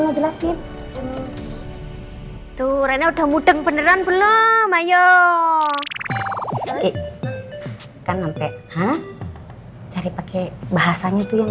ngejelasin tuh rene udah mudeng beneran belum ayo kan sampai cari pakai bahasanya itu yang